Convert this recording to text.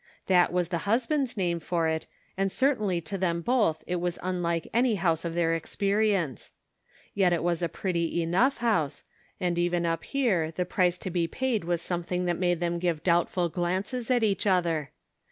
That was the husband's name for it, and certainly to them both it was unlike any house of their experience. Yet it was a 58 The Pocket Measure. pretty enough house, and even up here the price to be paid was something that made them give doubtful glances at each other.